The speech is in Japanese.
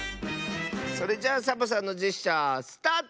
それじゃあサボさんのジェスチャースタート！